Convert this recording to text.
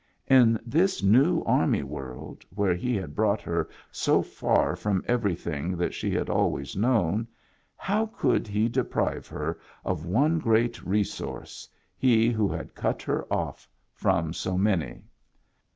In this new army world, where he had brought her so far from everything that she had always known, how could he deprive her of one great resource, he who had cut her off from so many.?